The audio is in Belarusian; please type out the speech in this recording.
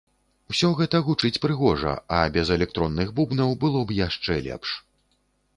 Усё гэта гучыць прыгожа, а без электронных бубнаў было б яшчэ лепш.